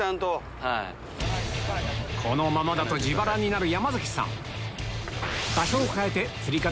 このままだと自腹になる山さん